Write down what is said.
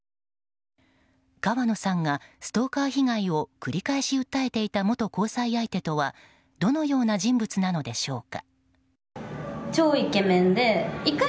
川野さんがストーカー被害を繰り返し訴えていた元交際相手とはどのような人物なのでしょうか。